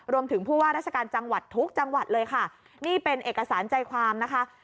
รวมถึงผู้ว่าราชการจังหวัดทุกจังหวัดเลยค่ะนี่เป็นเอกสารใจความนะคะ